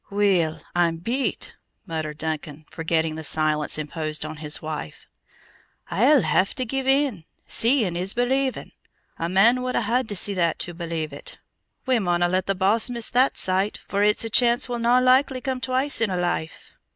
"Weel, I'm beat," muttered Duncan, forgetting the silence imposed on his wife. "I'll hae to give in. 'Seein' is believin'. A man wad hae to see that to believe it. We mauna let the Boss miss that sight, for it's a chance will no likely come twice in a life.